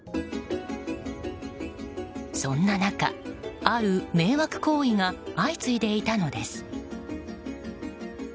そんな中、ある迷惑行為が相次いでいたのです。